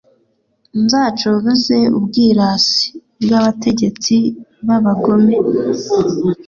nzacogoze ubwirasi bw’abategetsi b’abagome.